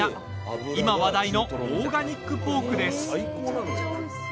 今、話題のオーガニックポークです。